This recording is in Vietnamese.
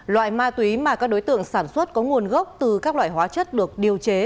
loại ma túy mà các đối tượng sản xuất có nguồn gốc từ các loại hóa chất được điều chế